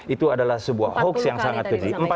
itu adalah sebuah hoax yang sangat keji